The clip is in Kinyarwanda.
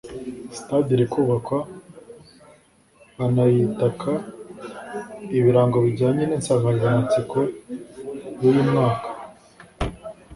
Stade iri kubakwa banayitaka ibirango bijyanye n’insanganyamatsiko y’uyu mwaka